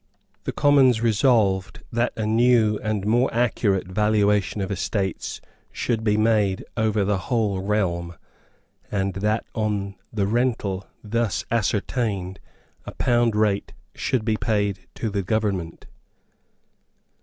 The Commons resolved that a new and more accurate valuation of estates should be made over the whole realm, and that on the rental thus ascertained a pound rate should be paid to the government.